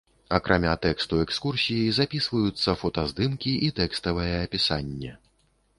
Акрамя тэксту экскурсіі запампоўваюцца фотаздымкі і тэкставае апісанне.